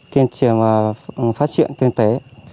tiên triển và phát triển tiền tế